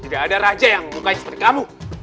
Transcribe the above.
tidak ada raja yang mukanya seperti kamu